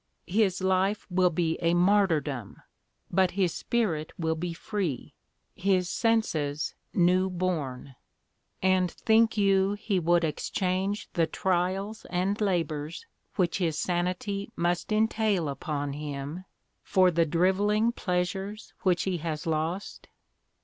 His life will be a martyrdom, but his spirit will be free, his senses new born; and think you he would exchange the trials and labours which his sanity must entail upon him for the drivelling pleasures which he has lost?